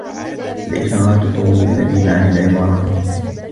الإشارات تُغْني اللبيب عن العبارات